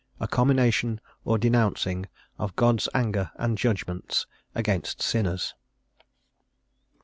A COMMINATION OR DENOUNCING OF GOD'S ANGER AND JUDGMENTS AGAINST SINNERS.